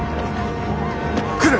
来る！